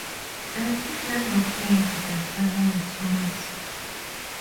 And he never played the same way twice.